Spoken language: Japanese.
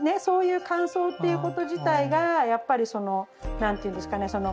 そういう感想っていうこと自体がやっぱりその何ていうんですかね